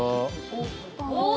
お！